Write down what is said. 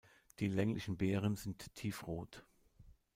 Die länglichen Beeren sind tiefrot.